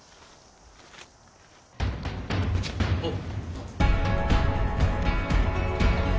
あっ！